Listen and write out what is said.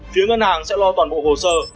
phía ngân hàng sẽ lo toàn bộ hồ sơ